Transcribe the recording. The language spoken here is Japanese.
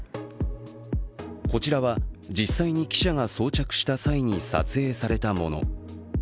こちらは、実際に記者が装着した際に撮影されたもの。